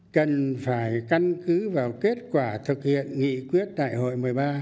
cần phải căn cứ vào kết quả thực hiện nghị quyết đại hội một mươi ba